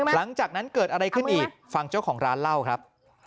หลังจากนั้นเกิดอะไรขึ้นอีกฟังเจ้าของร้านเล่าครับ